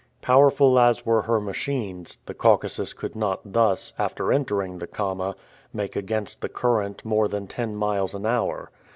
Powerful as were her machines, the Caucasus could not thus, after entering the Kama, make against the current more than ten miles an hour.